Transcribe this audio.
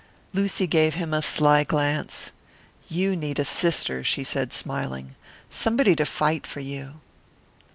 Lucy gave him a sly glance. "You need a sister," she said, smiling. "Somebody to fight for you!"